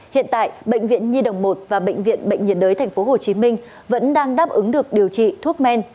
hiện tại bệnh viện nhi đồng một và bệnh viện bệnh nhiệt đới tp hcm vẫn đang đáp ứng được điều trị thuốc men